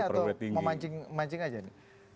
anda bertanya atau mau mancing mancing aja nih